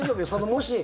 もし。